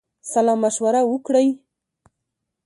سلامشوره وکړی.